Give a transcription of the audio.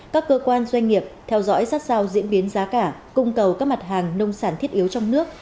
các cơ quan doanh nghiệp theo dõi sát sao diễn biến giá cả cung cầu các mặt hàng nông sản thiết yếu trong nước